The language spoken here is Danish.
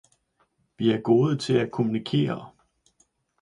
Vi er gode til at kommunikere